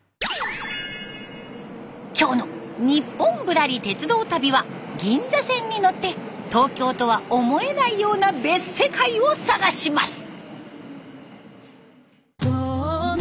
今日の「ニッポンぶらり鉄道旅」は銀座線に乗って東京とは思えないような別世界を探します。